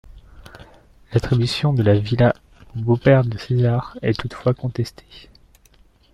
L'attribution de la villa au beau-père de César est toutefois contestée.